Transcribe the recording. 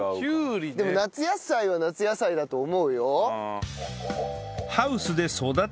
でも夏野菜は夏野菜だと思うよ。